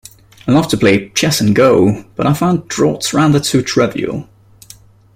I love to play chess and go, but I find draughts rather too trivial